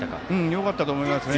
よかったと思いますね。